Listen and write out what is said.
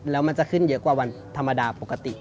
แล้วมันจะขึ้นเยอะกว่าวันธรรมดาปกติ